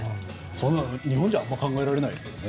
日本じゃ考えられないですね。